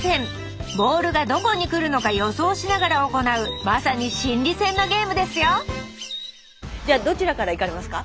ボールがどこに来るのか予想しながら行うまさに心理戦のゲームですよじゃあどちらからいかれますか？